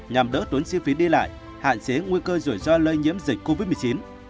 nhằm đỡ tốn chi phí đi lại hạn chế nguy cơ rủi ro lây nhiễm dịch covid một mươi chín